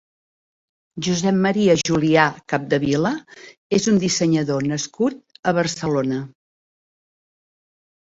Josep Maria Julià Capdevila és un dissenyador nascut a Barcelona.